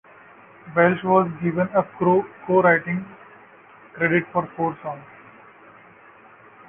Welsh was given a co-writing credit for four songs.